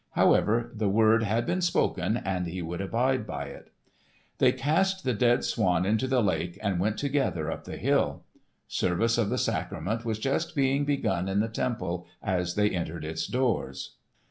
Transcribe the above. However, the word had been spoken and he would abide by it. They cast the dead swan into the lake and went together up the hill. Service of the sacrament was just being begun in the temple as they entered its doors.